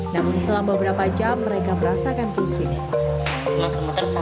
namun selama beberapa jam mereka merasakan pusing